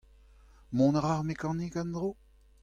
Mont a ra ar mekanik en-dro ?